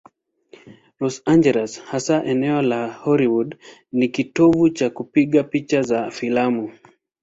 Los Angeles, hasa eneo la Hollywood, ni kitovu cha kupiga picha za filamu.